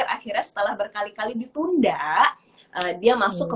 akhirnya setelah berkali kali ditunda dia masuk ke